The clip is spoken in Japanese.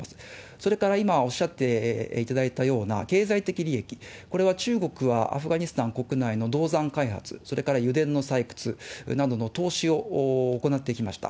それから今おっしゃっていただいたような経済的利益、これは中国は、アフガニスタン国内の銅山開発、それから油田の採掘などの投資を行ってきました。